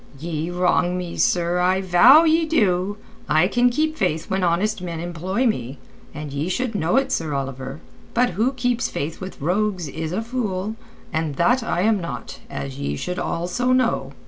"Ye wrong me, sir, I vow ye do! I can keep faith when honest men employ me, and ye should know it, Sir Oliver. But who keeps faith with rogues is a fool—and that I am not, as ye should also know.